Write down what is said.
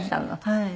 はい。